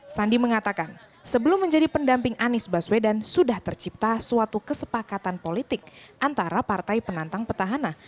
sandi mengatakan sebelum menjadi pendamping anies baswedan sudah tercipta suatu kesepakatan politik antara partai penantang petahana